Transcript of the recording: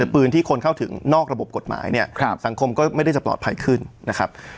ปืนที่คนเข้าถึงนอกระบบกฎหมายเนี่ยสังคมก็ไม่ได้จะปลอดภัยขึ้นนะครับ